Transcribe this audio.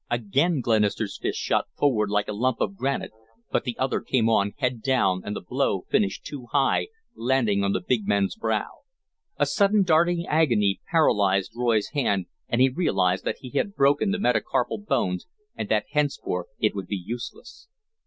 Again Glenister's fist shot forward like a lump of granite, but the other came on head down and the blow finished too high, landing on the big man's brow. A sudden darting agony paralyzed Roy's hand, and he realized that he had broken the metacarpal bones and that henceforth it would be useless.